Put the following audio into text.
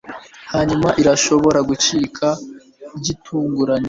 Hanyuma irashobora gucika gitunguranye